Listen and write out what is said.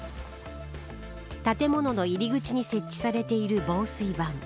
建物の入り口に設置されている防水板。